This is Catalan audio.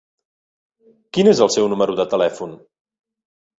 Quin és el seu número de telèfon?